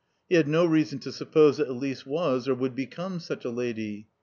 He had no reason to suppose that Elise was or would become such a lady.